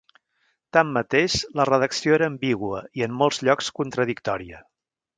Tanmateix, la redacció era ambigua i, en molts llocs contradictòria.